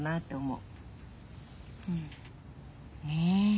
うん。ねえ。